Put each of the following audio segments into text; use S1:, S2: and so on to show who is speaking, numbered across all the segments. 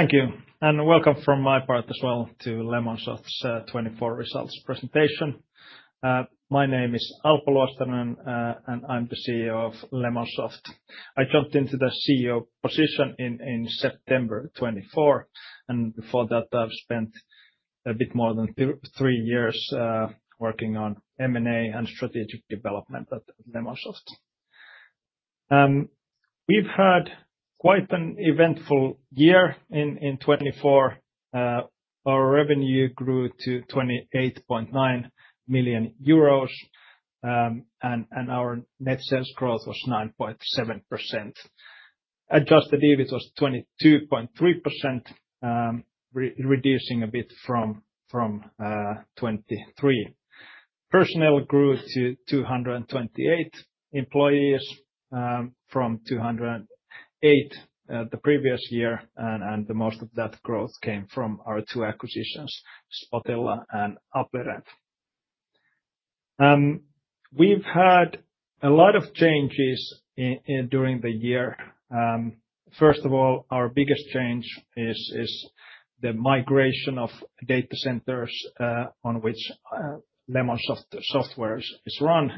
S1: Thank you, and welcome from my part as well to Lemonsoft's 2024 results presentation. My name is Alpo Luostarinen, and I'm the CEO of Lemonsoft. I jumped into the CEO position in September 2024, and before that, I've spent a bit more than three years working on M&A and Strategic Development at Lemonsoft. We've had quite an eventful year in 2024. Our revenue grew to 28.9 million euros, and our net sales growth was 9.7%. Adjusted EBIT was 22.3%, reducing a bit from 2023. Personnel grew to 228 employees from 208 the previous year, and most of that growth came from our two acquisitions, Spotilla and Applirent. We've had a lot of changes during the year. First of all, our biggest change is the migration of data centers on which Lemonsoft software is run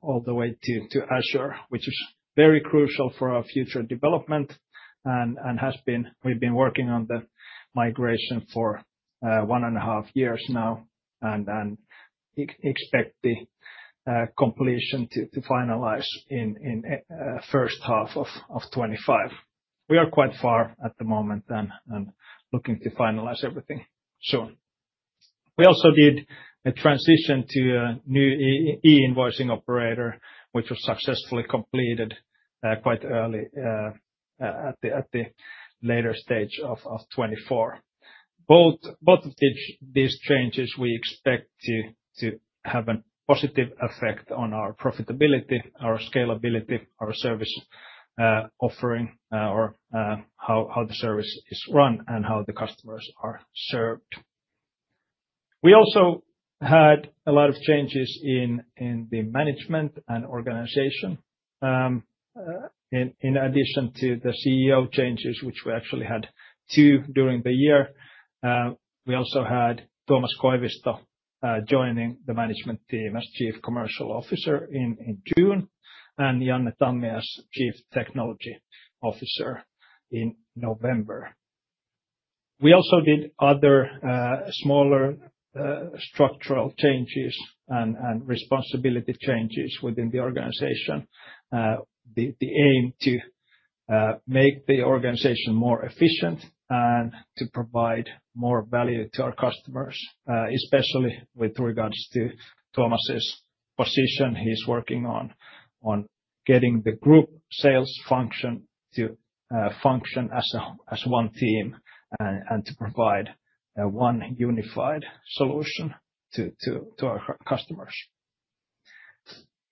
S1: all the way to Azure, which is very crucial for our future development, and we've been working on the migration for one and a half years now and expect the completion to finalize in the first half of 2025. We are quite far at the moment and looking to finalize everything soon. We also did a transition to a new e-invoicing operator, which was successfully completed quite early at the later stage of 2024. Both of these changes, we expect to have a positive effect on our profitability, our scalability, our service offering, or how the service is run and how the customers are served. We also had a lot of changes in the management and organization. In addition to the CEO changes, which we actually had two during the year, we also had Tuomas Koivisto joining the management team as Chief Commercial Officer in June and Janne Tammi as Chief Technology Officer in November. We also did other smaller structural changes and responsibility changes within the organization. The aim is to make the organization more efficient and to provide more value to our customers, especially with regards to Tuomas's position. He's working on getting the group sales function to function as one team and to provide one unified solution to our customers.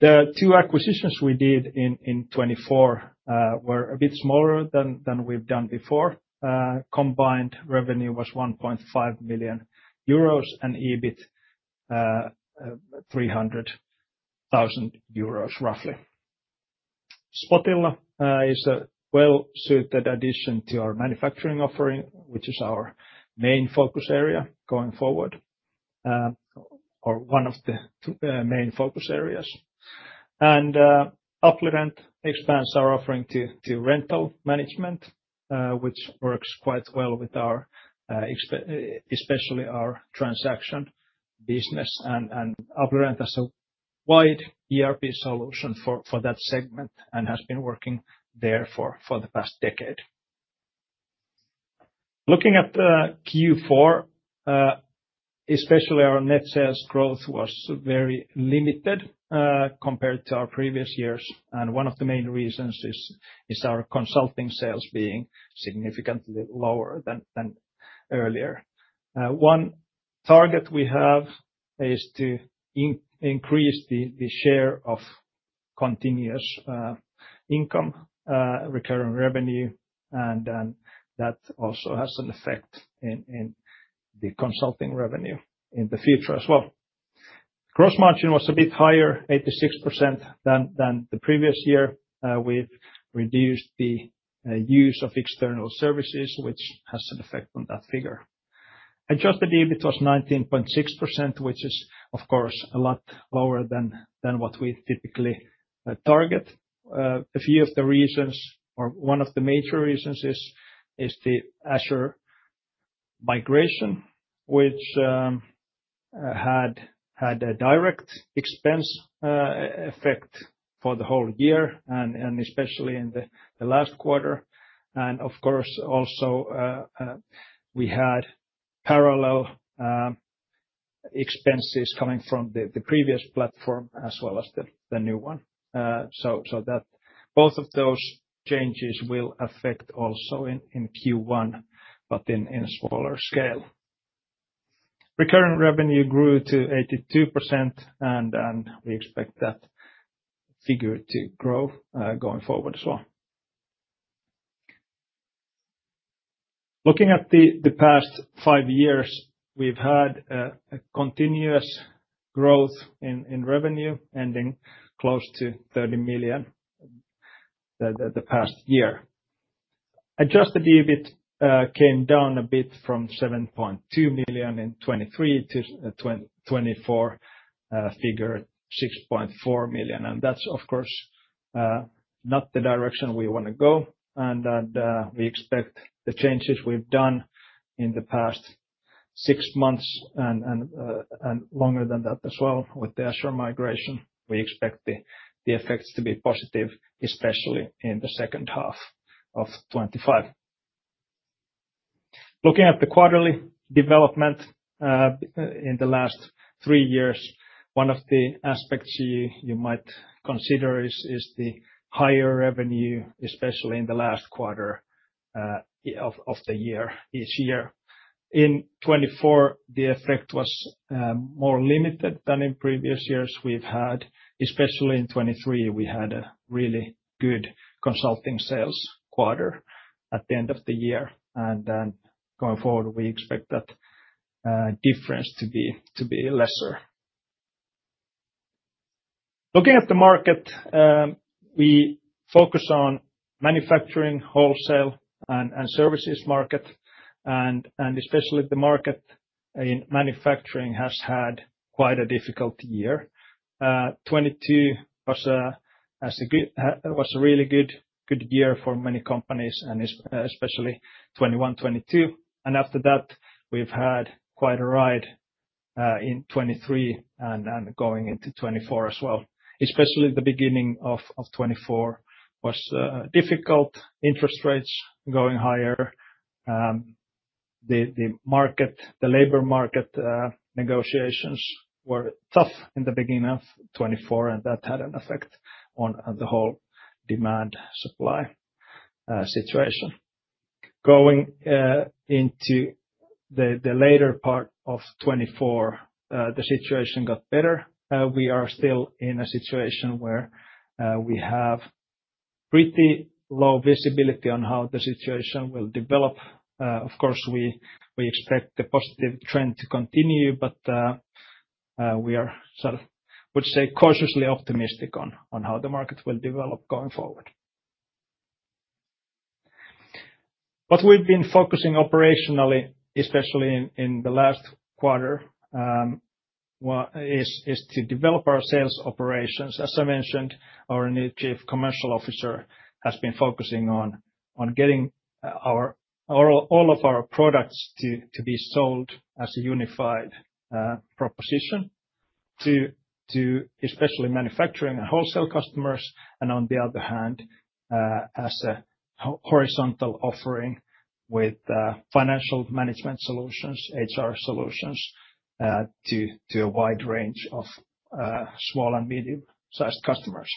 S1: The two acquisitions we did in 2024 were a bit smaller than we've done before. Combined revenue was 1.5 million euros and EBIT 300,000 euros, roughly. Spotilla is a well-suited addition to our manufacturing offering, which is our main focus area going forward, or one of the main focus areas. Applirent expands our offering to rental management, which works quite well with especially our transaction business. Applirent has a wide ERP solution for that segment and has been working there for the past decade. Looking at Q4, especially our net sales growth was very limited compared to our previous years, and one of the main reasons is our consulting sales being significantly lower than earlier. One target we have is to increase the share of continuous income, recurring revenue, and that also has an effect in the consulting revenue in the future as well. Gross margin was a bit higher, 86%, than the previous year. We've reduced the use of external services, which has an effect on that figure. Adjusted EBIT was 19.6%, which is, of course, a lot lower than what we typically target. A few of the reasons, or one of the major reasons, is the Azure migration, which had a direct expense effect for the whole year, especially in the last quarter. Of course, also we had parallel expenses coming from the previous platform as well as the new one. Both of those changes will affect also in Q1, but in smaller scale. Recurring revenue grew to 82%, and we expect that figure to grow going forward as well. Looking at the past five years, we've had a continuous growth in revenue ending close to 30 million the past year. Adjusted EBIT came down a bit from 7.2 million in 2023-2024, figured 6.4 million. That's, of course, not the direction we want to go. We expect the changes we've done in the past six months and longer than that as well with the Azure migration. We expect the effects to be positive, especially in the second half of 2025. Looking at the quarterly development in the last three years, one of the aspects you might consider is the higher revenue, especially in the last quarter of the year, each year. In 2024, the effect was more limited than in previous years. We've had, especially in 2023, we had a really good consulting sales quarter at the end of the year. Going forward, we expect that difference to be lesser. Looking at the market, we focus on manufacturing, wholesale, and services market. Especially the market in manufacturing has had quite a difficult year. 2022 was a really good year for many companies, and especially 2021, 2022. After that, we've had quite a ride in 2023 and going into 2024 as well. Especially the beginning of 2024 was difficult. Interest rates going higher. The labor market negotiations were tough in the beginning of 2024, and that had an effect on the whole demand-supply situation. Going into the later part of 2024, the situation got better. We are still in a situation where we have pretty low visibility on how the situation will develop. Of course, we expect the positive trend to continue, but we are, I would say, cautiously optimistic on how the market will develop going forward. What we've been focusing on operationally, especially in the last quarter, is to develop our sales operations. As I mentioned, our new Chief Commercial Officer has been focusing on getting all of our products to be sold as a unified proposition, especially manufacturing and wholesale customers. On the other hand, as a horizontal offering with financial management solutions, HR solutions to a wide range of small and medium-sized customers.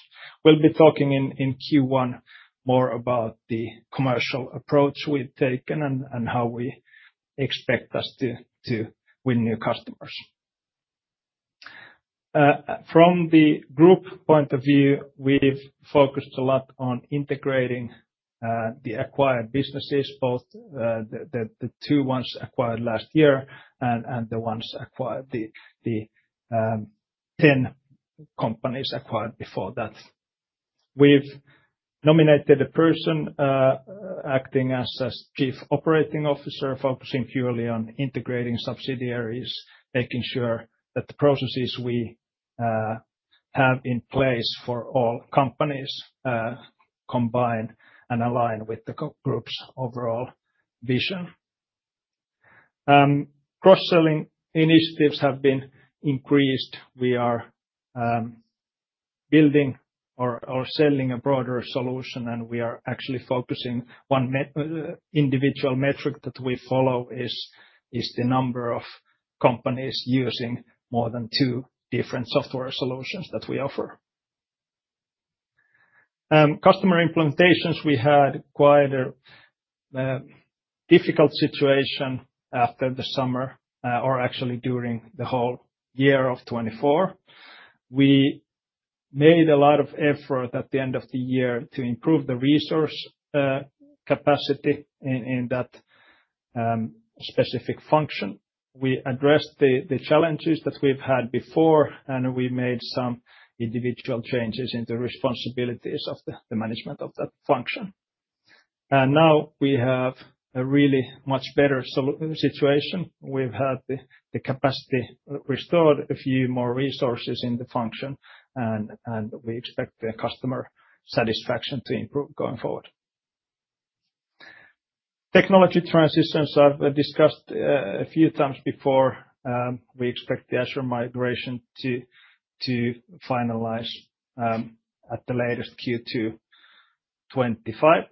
S1: We'll be talking in Q1 more about the commercial approach we've taken and how we expect us to win new customers. From the group point of view, we've focused a lot on integrating the acquired businesses, both the two ones acquired last year and the ones acquired, the 10 companies acquired before that. We've nominated a person acting as Chief Operating Officer, focusing purely on integrating subsidiaries, making sure that the processes we have in place for all companies combine and align with the group's overall vision. Cross-selling initiatives have been increased. We are building or selling a broader solution, and we are actually focusing on one individual metric that we follow, which is the number of companies using more than two different software solutions that we offer. Customer implementations, we had quite a difficult situation after the summer, or actually during the whole year of 2024. We made a lot of effort at the end of the year to improve the resource capacity in that specific function. We addressed the challenges that we've had before, and we made some individual changes in the responsibilities of the management of that function. Now we have a really much better situation. We've had the capacity restored, a few more resources in the function, and we expect the customer satisfaction to improve going forward. Technology transitions I've discussed a few times before. We expect the Azure migration to finalize at the latest Q2 2025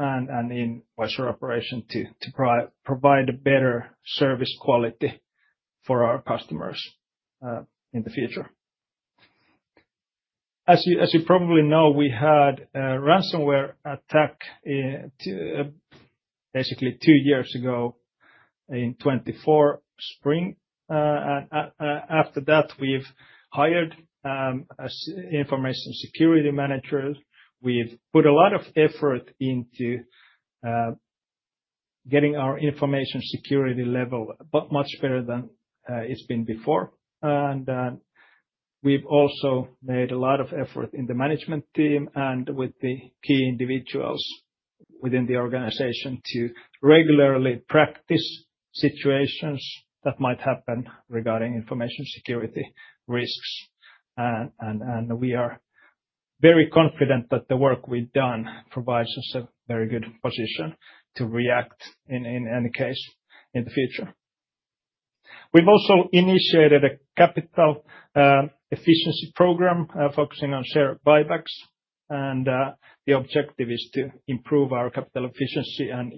S1: and in Azure operation to provide a better service quality for our customers in the future. As you probably know, we had a ransomware attack basically two years ago in 2024 spring. After that, we've hired information security managers. We've put a lot of effort into getting our information security level much better than it's been before. We've also made a lot of effort in the management team and with the key individuals within the organization to regularly practice situations that might happen regarding information security risks. We are very confident that the work we've done provides us a very good position to react in any case in the future. We've also initiated a capital efficiency program focusing on share buybacks. The objective is to improve our capital efficiency and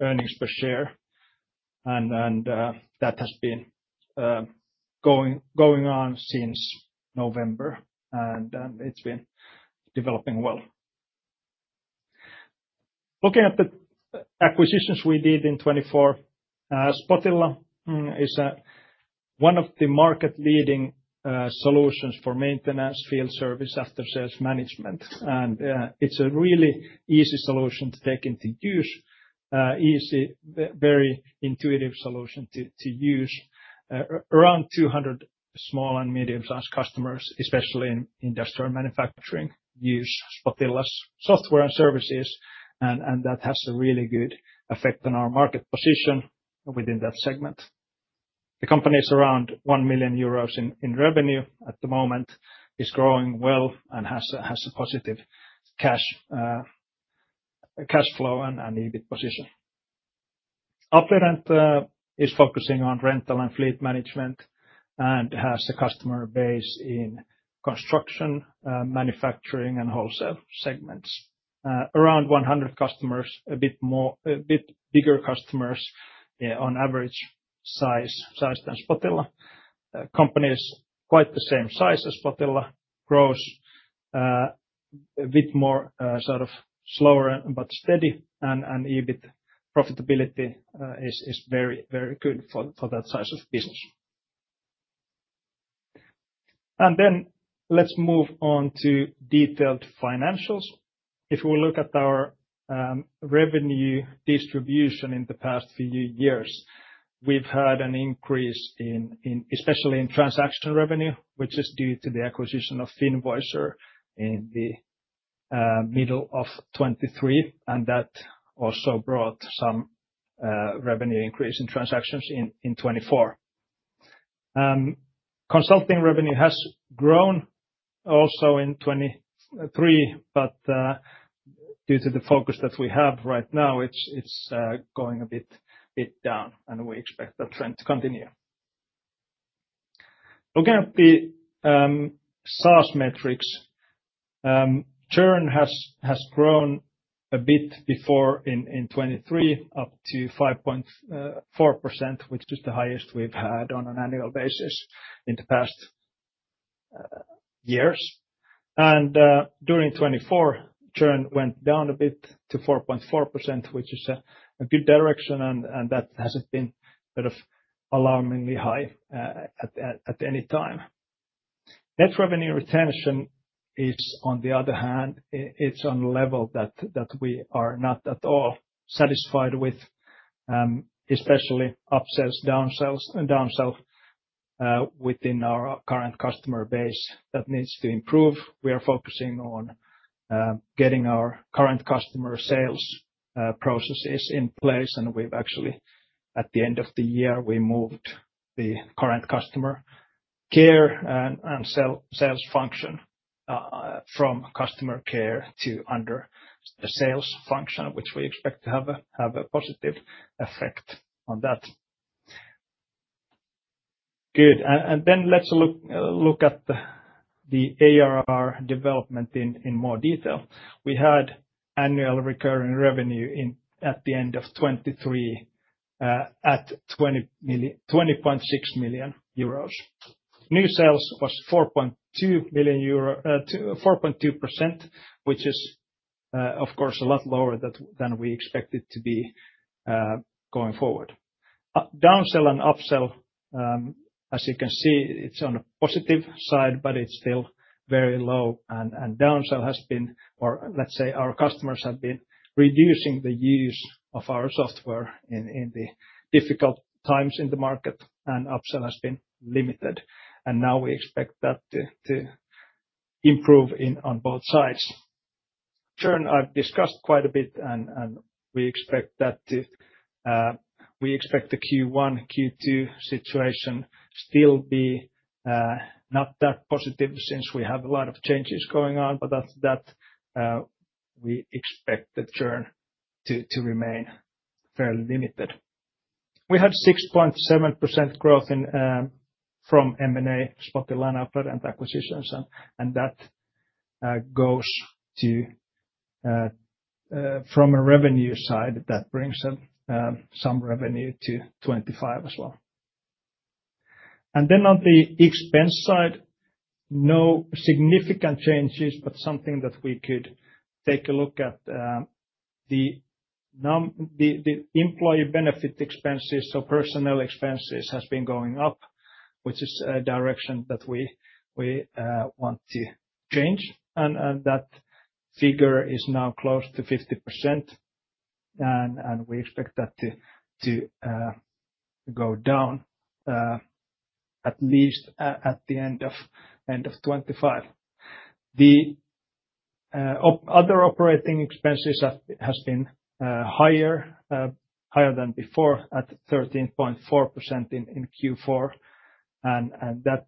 S1: earnings per share. That has been going on since November, and it's been developing well. Looking at the acquisitions we did in 2024, Spotilla is one of the market-leading solutions for maintenance field service after sales management. It's a really easy solution to take into use, easy, very intuitive solution to use. Around 200 small and medium-sized customers, especially in industrial manufacturing, use Spotilla's software and services. That has a really good effect on our market position within that segment. The company is around 1 million euros in revenue at the moment, is growing well and has a positive cash flow and EBIT position. Applirent is focusing on rental and fleet management and has a customer base in construction, manufacturing, and wholesale segments. Around 100 customers, a bit bigger customers on average size than Spotilla. Company is quite the same size as Spotilla, grows a bit more sort of slower but steady, and EBIT profitability is very, very good for that size of business. Let's move on to detailed financials. If we look at our revenue distribution in the past few years, we've had an increase in, especially in transaction revenue, which is due to the acquisition of Finvoicer in the middle of 2023. That also brought some revenue increase in transactions in 2024. Consulting revenue has grown also in 2023, but due to the focus that we have right now, it's going a bit down, and we expect that trend to continue. Looking at the SaaS metrics, churn has grown a bit before in 2023, up to 5.4%, which is the highest we've had on an annual basis in the past years. During 2024, churn went down a bit to 4.4%, which is a good direction, and that has not been sort of alarmingly high at any time. Net revenue retention, on the other hand, is on a level that we are not at all satisfied with, especially upsells, downsells within our current customer base that needs to improve. We are focusing on getting our current customer sales processes in place, and we have actually, at the end of the year, moved the current customer care and sales function from customer care to under the sales function, which we expect to have a positive effect on that. Good. Let us look at the ARR development in more detail. We had annual recurring revenue at the end of 2023 at 20.6 million euros. New sales was 4.2%, which is, of course, a lot lower than we expected to be going forward. Downsell and upsell, as you can see, it's on the positive side, but it's still very low. Downsell has been, or let's say our customers have been reducing the use of our software in the difficult times in the market, and upsell has been limited. Now we expect that to improve on both sides. Churn, I've discussed quite a bit, and we expect the Q1, Q2 situation to still be not that positive since we have a lot of changes going on, but after that, we expect the churn to remain fairly limited. We had 6.7% growth from M&A, Spotilla, and Applirent acquisitions, and that goes from a revenue side that brings some revenue to 2025 as well. On the expense side, no significant changes, but something that we could take a look at, the employee benefit expenses, so personnel expenses has been going up, which is a direction that we want to change. That figure is now close to 50%, and we expect that to go down at least at the end of 2025. The other operating expenses have been higher than before at 13.4% in Q4. That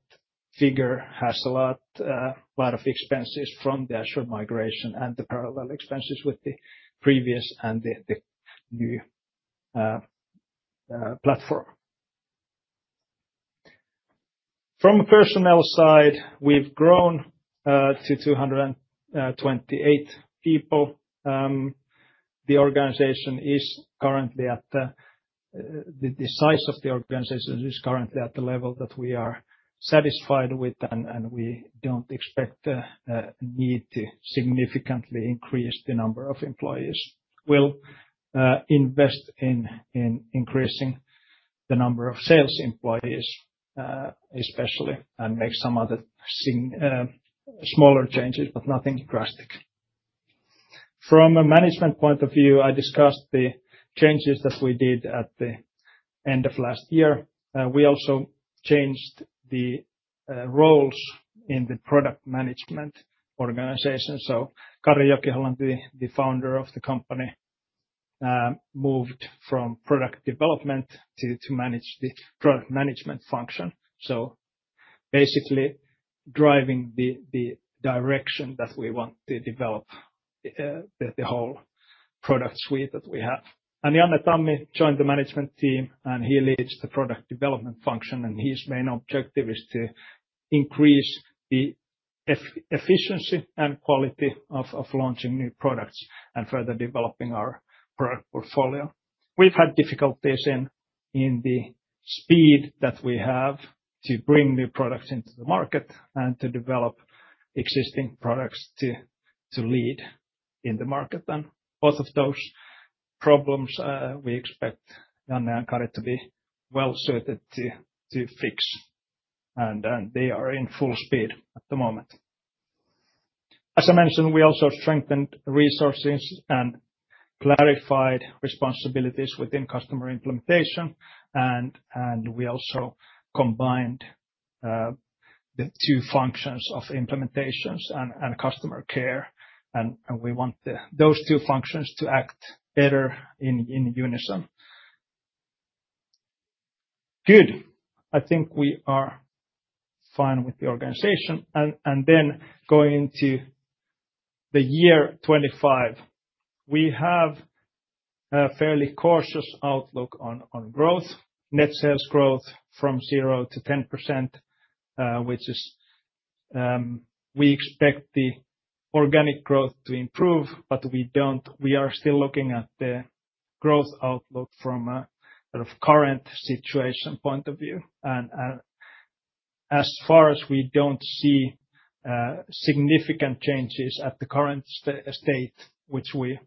S1: figure has a lot of expenses from the Azure migration and the parallel expenses with the previous and the new platform. From a personnel side, we've grown to 228 people. The size of the organization is currently at the level that we are satisfied with, and we don't expect the need to significantly increase the number of employees. We'll invest in increasing the number of sales employees, especially, and make some other smaller changes, but nothing drastic. From a management point of view, I discussed the changes that we did at the end of last year. We also changed the roles in the product management organization. Kari Joki-Hollanti, the founder of the company, moved from product development to manage the product management function. Basically driving the direction that we want to develop the whole product suite that we have. Janne Tammi joined the management team, and he leads the product development function. His main objective is to increase the efficiency and quality of launching new products and further developing our product portfolio. We've had difficulties in the speed that we have to bring new products into the market and to develop existing products to lead in the market. Both of those problems, we expect Janne and Kari to be well suited to fix. They are in full speed at the moment. As I mentioned, we also strengthened resources and clarified responsibilities within customer implementation. We also combined the two functions of implementations and customer care. We want those two functions to act better in unison. Good. I think we are fine with the organization. Going into the year 2025, we have a fairly cautious outlook on growth. Net sales growth from 0%-10%, which is we expect the organic growth to improve, but we do not. We are still looking at the growth outlook from a current situation point of view. As far as we do not see significant changes at the current state, which we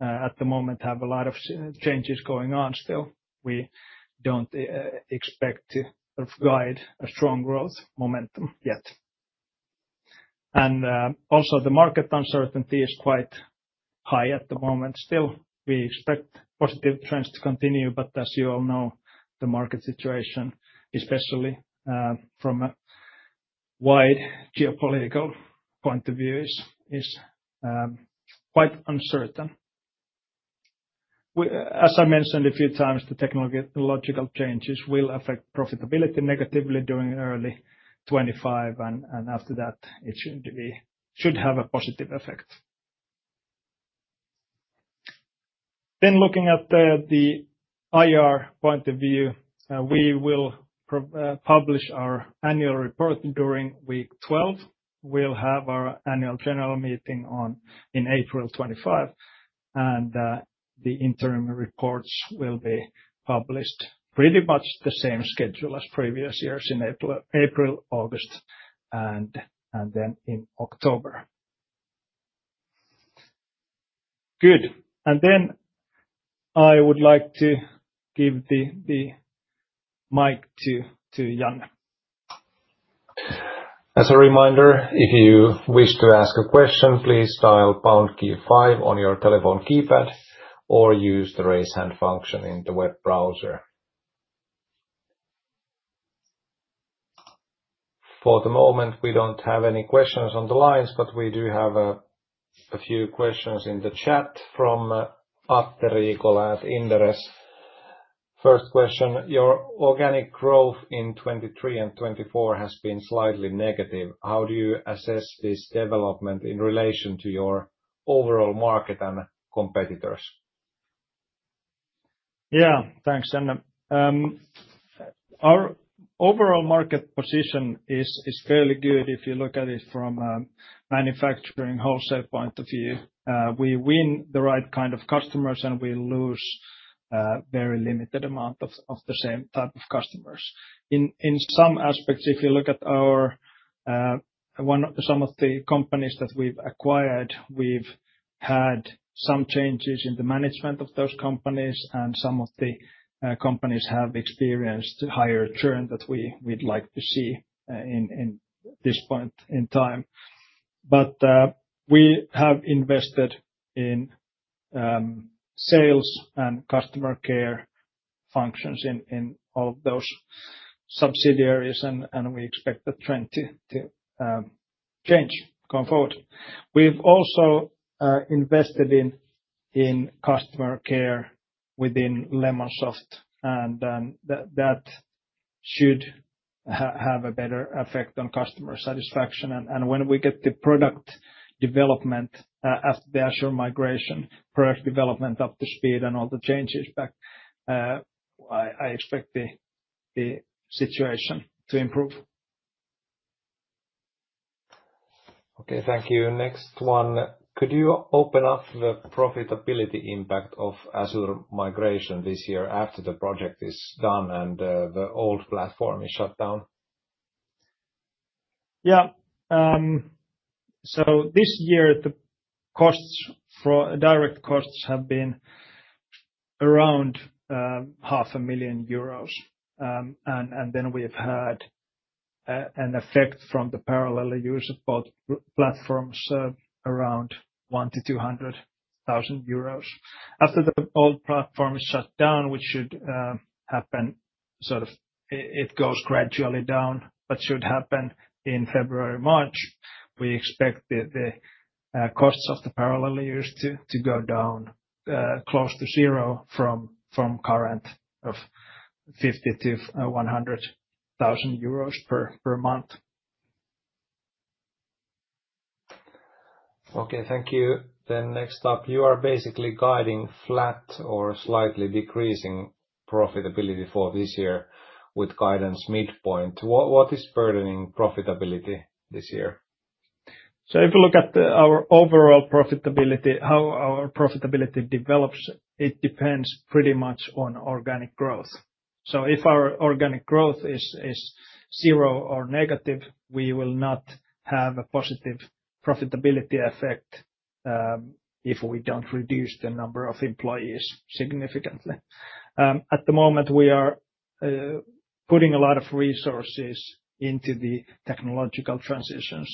S1: at the moment have a lot of changes going on still, we do not expect to guide a strong growth momentum yet. Also, the market uncertainty is quite high at the moment. Still, we expect positive trends to continue, but as you all know, the market situation, especially from a wide geopolitical point of view, is quite uncertain. As I mentioned a few times, the technological changes will affect profitability negatively during early 2025, and after that, it should have a positive effect. Looking at the IR point of view, we will publish our annual report during week 12. We will have our annual general meeting in April 2025, and the interim reports will be published pretty much the same schedule as previous years in April, August, and then in October. Good. Then I would like to give the mic to Janne.
S2: As a reminder, if you wish to ask a question, please dial Pound key five on your telephone keypad or use the raise hand function in the web browser. For the moment, we do not have any questions on the lines, but we do have a few questions in the chat from Atte Riikola at Inderes. First question, your organic growth in 2023 and 2024 has been slightly negative. How do you assess this development in relation to your overall market and competitors?
S1: Yeah, thanks, Janne. Our overall market position is fairly good if you look at it from a manufacturing wholesale point of view. We win the right kind of customers, and we lose a very limited amount of the same type of customers. In some aspects, if you look at some of the companies that we've acquired, we've had some changes in the management of those companies, and some of the companies have experienced higher churn than we'd like to see at this point in time. We have invested in sales and customer care functions in all of those subsidiaries, and we expect the trend to change going forward. We've also invested in customer care within Lemonsoft, and that should have a better effect on customer satisfaction. When we get the product development after the Azure migration, product development up to speed and all the changes back, I expect the situation to improve.
S2: Okay, thank you. Next one. Could you open up the profitability impact of Azure migration this year after the project is done and the old platform is shut down?
S1: Yeah. This year, the direct costs have been around 500,000 euros. We have had an effect from the parallel use of both platforms around 100,000-200,000 euros. After the old platform is shut down, which should happen, it goes gradually down, but should happen in February or March, we expect the costs of the parallel use to go down close to zero from the current EUR 50,000-EUR 100,000 per month.
S2: Okay, thank you. Next up, you are basically guiding flat or slightly decreasing profitability for this year with guidance midpoint. What is burdening profitability this year? If you look at our overall profitability, how our profitability develops, it depends pretty much on organic growth. If our organic growth is zero or negative, we will not have a positive profitability effect if we do not reduce the number of employees significantly. At the moment, we are putting a lot of resources into the technological transitions.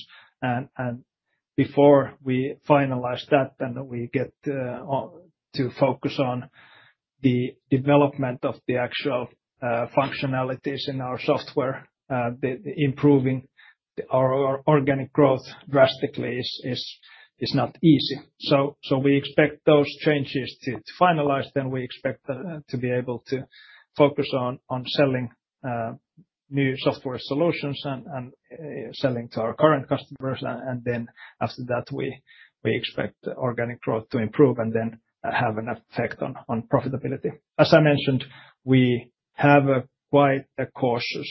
S2: Before we finalize that, we get to focus on the development of the actual functionalities in our software. Improving our organic growth drastically is not easy. We expect those changes to finalize. We expect to be able to focus on selling new software solutions and selling to our current customers. After that, we expect organic growth to improve and then have an effect on profitability. As I mentioned, we have quite a cautious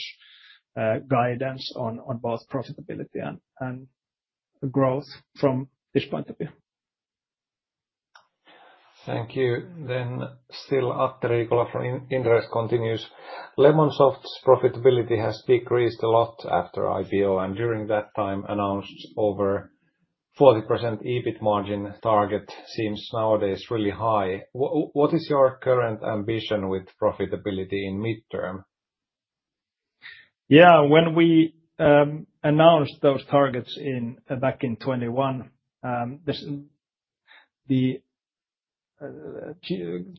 S2: guidance on both profitability and growth from this point of view. Thank you. Still, Atte Riikola from Inderes continues. Lemonsoft's profitability has decreased a lot after IPO and during that time announced over 40% EBIT margin target seems nowadays really high. What is your current ambition with profitability in midterm?
S1: Yeah, when we announced those targets back in 2021, the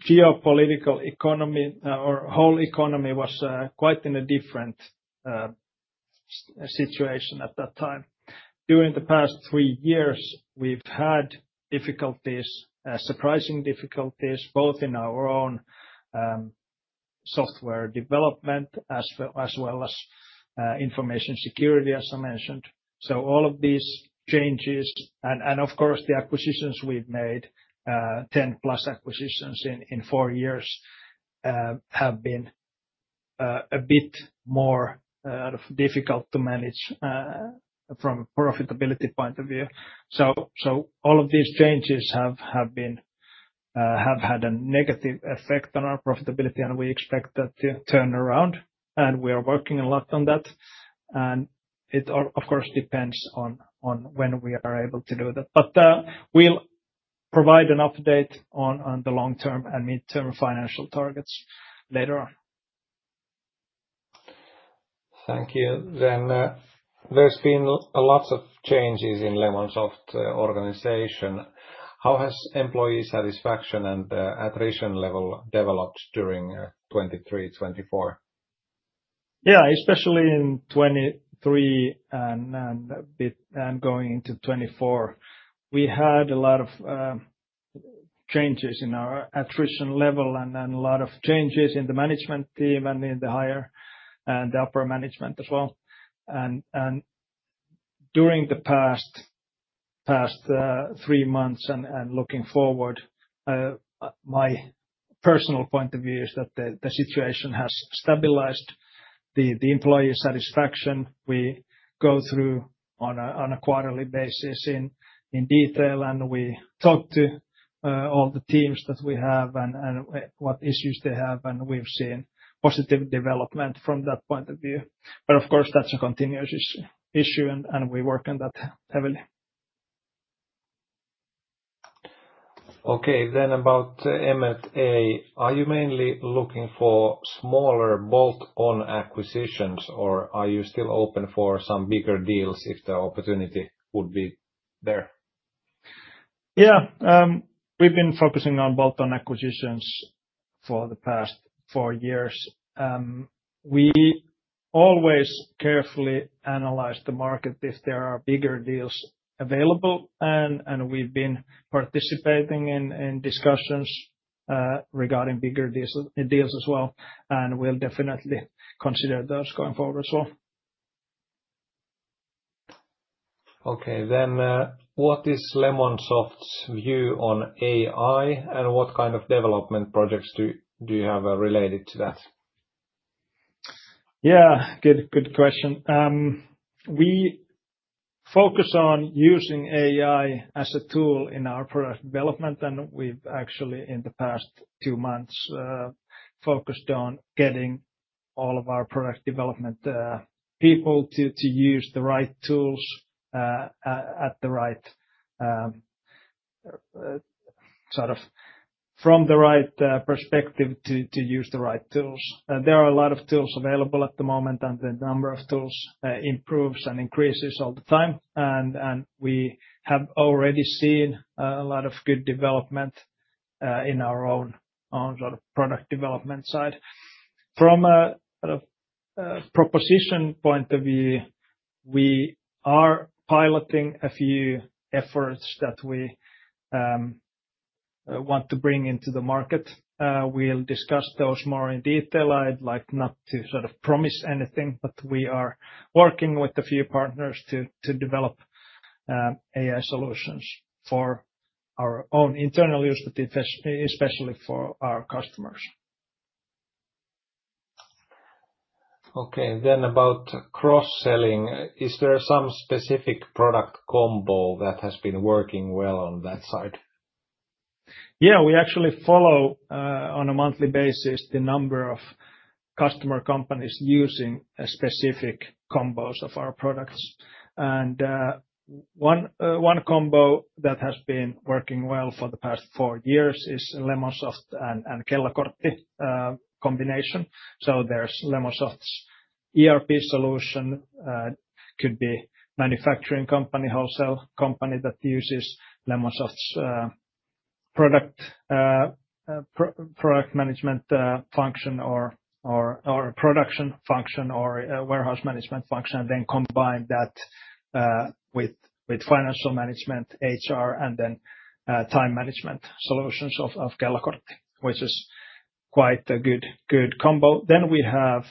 S1: geopolitical economy or whole economy was quite in a different situation at that time. During the past three years, we've had difficulties, surprising difficulties, both in our own software development as well as information security, as I mentioned. All of these changes and, of course, the acquisitions we've made, 10+ acquisitions in four years, have been a bit more difficult to manage from a profitability point of view. All of these changes have had a negative effect on our profitability, and we expect that to turn around. We are working a lot on that. It, of course, depends on when we are able to do that. We'll provide an update on the long-term and midterm financial targets later on.
S2: Thank you. There has been lots of changes in Lemonsoft organization. How has employee satisfaction and attrition level developed during 2023, 2024?
S1: Yeah, especially in 2023 and going into 2024, we had a lot of changes in our attrition level and a lot of changes in the management team and in the higher and the upper management as well. During the past three months and looking forward, my personal point of view is that the situation has stabilized. The employee satisfaction, we go through on a quarterly basis in detail, and we talk to all the teams that we have and what issues they have. We have seen positive development from that point of view. Of course, that is a continuous issue, and we work on that heavily.
S2: Okay, then about M&A, are you mainly looking for smaller bolt-on acquisitions, or are you still open for some bigger deals if the opportunity would be there?
S1: Yeah, we've been focusing on bolt-on acquisitions for the past four years. We always carefully analyze the market if there are bigger deals available, and we've been participating in discussions regarding bigger deals as well. We'll definitely consider those going forward as well.
S2: Okay, what is Lemonsoft's view on AI, and what kind of development projects do you have related to that?
S1: Yeah, good question. We focus on using AI as a tool in our product development, and we've actually, in the past two months, focused on getting all of our product development people to use the right tools at the right sort of from the right perspective to use the right tools. There are a lot of tools available at the moment, and the number of tools improves and increases all the time. We have already seen a lot of good development in our own sort of product development side. From a proposition point of view, we are piloting a few efforts that we want to bring into the market. We will discuss those more in detail. I would like not to sort of promise anything, but we are working with a few partners to develop AI solutions for our own internal use, but especially for our customers.
S2: Okay, about cross-selling, is there some specific product combo that has been working well on that side?
S1: Yeah, we actually follow on a monthly basis the number of customer companies using specific combos of our products. One combo that has been working well for the past four years is Lemonsoft and Kellokortti combination. There is Lemonsoft's ERP solution. Could be manufacturing company, wholesale company that uses Lemonsoft's product management function or production function or warehouse management function, and then combine that with financial management, HR, and then time management solutions of Kellokortti, which is quite a good combo. Then we have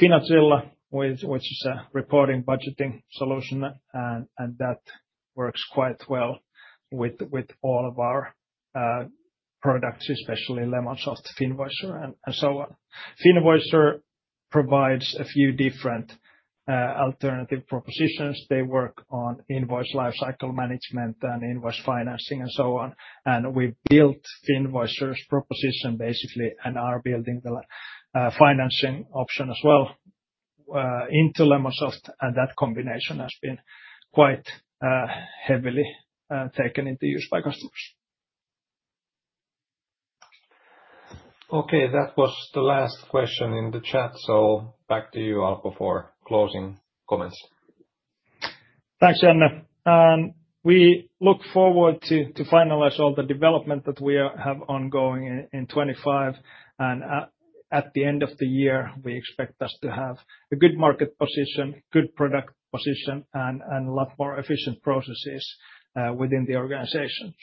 S1: Finazilla, which is a reporting budgeting solution, and that works quite well with all of our products, especially Lemonsoft, Finvoicer, and so on. Finvoicer provides a few different alternative propositions. They work on invoice lifecycle management and invoice financing and so on. We have built Finvoicer's proposition basically and are building the financing option as well into Lemonsoft. That combination has been quite heavily taken into use by customers.
S2: Okay, that was the last question in the chat. Back to you, Alpo, for closing comments.
S1: Thanks, Janne. We look forward to finalize all the development that we have ongoing in 2025. At the end of the year, we expect us to have a good market position, good product position, and a lot more efficient processes within the organization.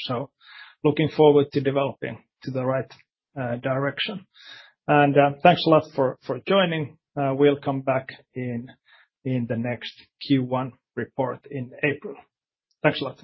S1: Looking forward to developing to the right direction. Thanks a lot for joining. We'll come back in the next Q1 report in April. Thanks a lot.